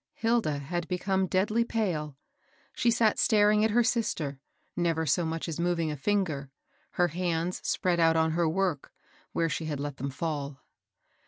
Hilda had become deadly pale. She sat staring at hei sister, never so much as moving a finger, 890 KABEL BOSS. her hands spread oat on her work, where she had let them fall.